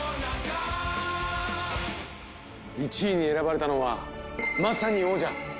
１位に選ばれたのはまさに王者。